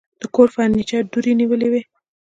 د کور فرنيچر دوړې نیولې وې.